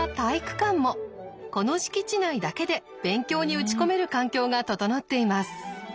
この敷地内だけで勉強に打ち込める環境が整っています。